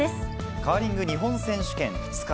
カーリング日本選手権２日目。